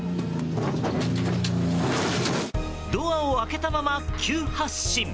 ドアを開けたまま急発進。